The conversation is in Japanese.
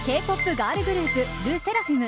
ガールグループＬＥＳＳＥＲＡＦＩＭ